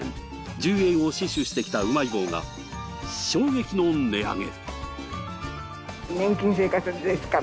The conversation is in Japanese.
１０円を死守してきたうまい棒が衝撃の値上げ。